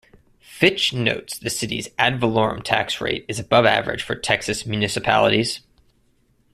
Fitch notes the city's ad valorem tax rate is above average for Texas municipalities.